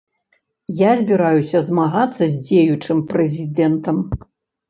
Я збіраюся змагацца з дзеючым прэзідэнтам.